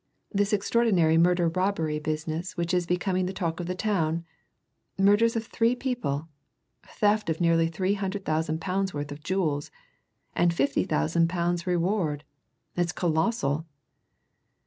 "This extraordinary murder robbery business which is becoming the talk of the town? Murders of three people theft of nearly three hundred thousand pounds' worth of jewels and fifty thousand pounds reward! It's colossal!"